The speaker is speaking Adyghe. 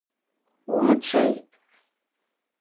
Умычъый!